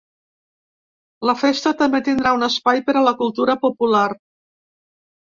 La festa també tindrà un espai per a la cultura popular.